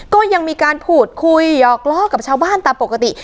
ก็ยังมีการพูดคุยหยอกล้อกับชาวบ้านตามปกติ